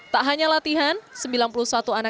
tak hanya latihan